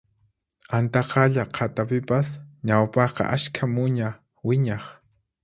Antaqalla qhatapipas ñawpaqqa ashka muña wiñaq